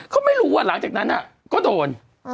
เขาไม่รู้ว่าหลังจากนั้นก็โดน